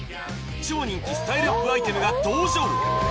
超人気スタイルアップアイテムが登場